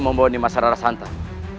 membawani masalah rara santak